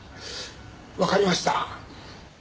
わかりました。